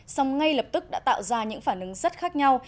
song ngay lập tức đã tạo ra những phản ứng rất khác nhau